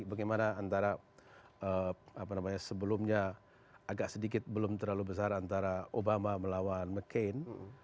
bagaimana antara sebelumnya agak sedikit belum terlalu besar antara obama melawan mccain